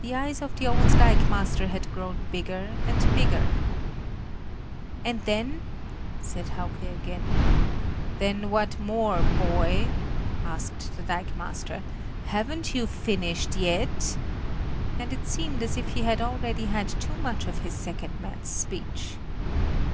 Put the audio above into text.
The eyes of the old dikemaster had grown bigger and bigger. "And then " said Hauke again. "Then what more, boy?" asked the dikemaster; "haven't you finished yet?" and it seemed as if he had already had too much of his second man's speech.